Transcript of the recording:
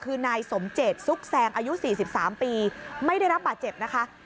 คือนายสมเจตซุกแซงอายุ๔๓ปีไม่ได้รับบาดเจ็บนะคะ